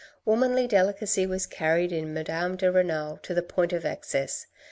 Womanly delicacy was carried in Madame de Renal to the point of excess.